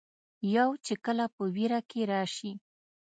يو چې کله پۀ وېره کښې راشي